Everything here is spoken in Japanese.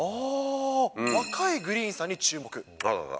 若いグリーンさんに注目。